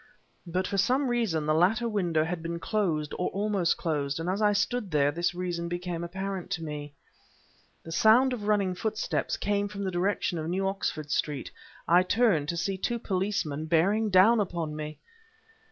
But for some reason the latter window had been closed or almost closed, and as I stood there this reason became apparent to me. The sound of running footsteps came from the direction of New Oxford Street. I turned to see two policemen bearing down upon me!